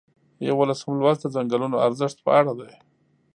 یوولسم لوست د څنګلونو ارزښت په اړه دی.